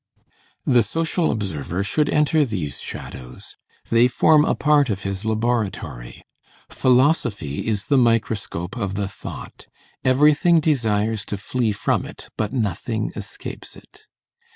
The social observer should enter these shadows. They form a part of his laboratory. Philosophy is the microscope of the thought. Everything desires to flee from it, but nothing escapes it.